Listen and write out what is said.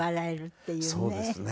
そうですね。